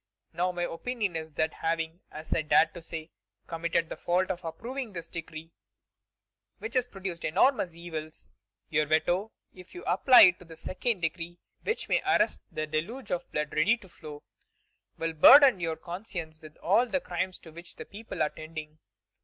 Now my opinion is that having, as I dare to say, committed the fault of approving this decree, which has produced enormous evils, your veto, if you apply it to the second decree, which may arrest the deluge of blood ready to flow, will burden your conscience with all the crimes to which the people are tending."